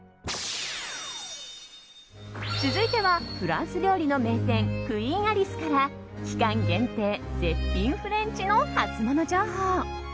続いてはフランス料理の名店クイーン・アリスから期間限定絶品フレンチのハツモノ情報。